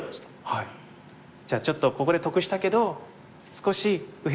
じゃあちょっとここで得したけど少し右辺で得された。